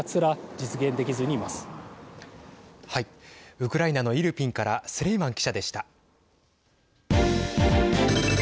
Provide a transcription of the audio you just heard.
ウクライナのイルピンからスレイマン記者でした。